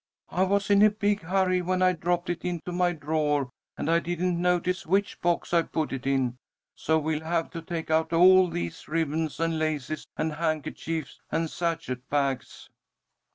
I was in a big hurry when I dropped it into my drawer, and I didn't notice which box I put it in. So we'll have to take out all these ribbons and laces and handkerchiefs and sachet bags."